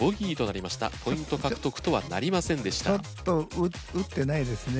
ちょっと打ってないですね。